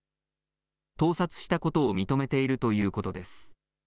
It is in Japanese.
盗撮したことを認めているということです。